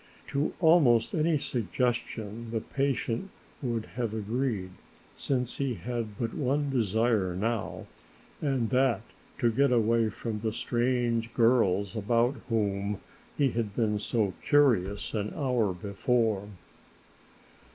To almost any suggestion the patient would have agreed, since he had but one desire now, and that to get away from the strange girls about whom he had been so curious an hour before.